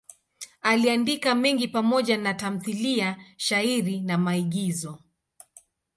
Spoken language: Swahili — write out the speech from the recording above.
Aliandika mengi pamoja na tamthiliya, shairi na maigizo.